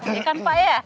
iya kan pak ya